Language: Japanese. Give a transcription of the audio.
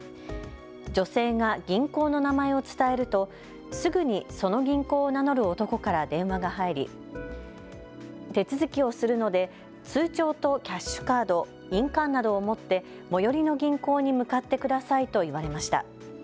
女性が銀行の名前を伝えるとすぐにその銀行を名乗る男から電話が入り、手続きをするので通帳とキャッシュカード、印鑑などを持って最寄りの銀行に向かってくださいと言われました。